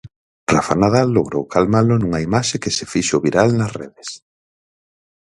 Rafa Nadal logrou calmalo nunha imaxe que se fixo viral nas redes.